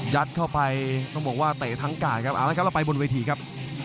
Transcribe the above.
เข้าไปต้องบอกว่าเตะทั้งการครับเอาละครับเราไปบนเวทีครับ